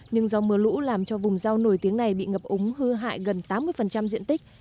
nhưng do mưa lũ làm cho vùng rau nổi tiếng này bị ngập úng hư hại gần tám mươi diện tích